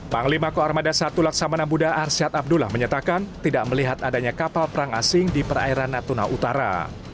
panglima koarmada satu laksamana budd arsyad abdullah menyatakan tidak melihat adanya kapal perang asing di perairan natuna utara